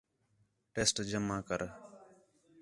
ٹیسٹ جمع کر